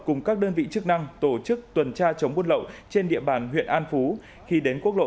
cùng các đơn vị chức năng tổ chức tuần tra chống buôn lậu trên địa bàn huyện an phú khi đến quốc lộ